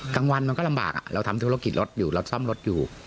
กลางวันมันก็ลำบากเราทำธุรกิจรถอยู่เราซ่อมรถอยู่